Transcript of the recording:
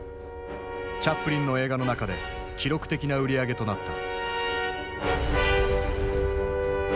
チャップリンの映画の中で記録的な売り上げとなった。